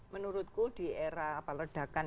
menurutku di era apalodakan